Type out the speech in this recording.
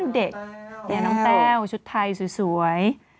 เด็กน้องแต้วชุดไทยสวย